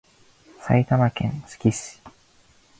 埼玉県志木市